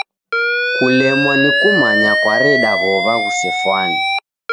Kulemwa ni kumanya kwareda w'ow'a ghusefwane.